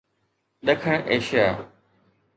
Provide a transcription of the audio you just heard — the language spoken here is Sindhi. ڏکڻ ايشيا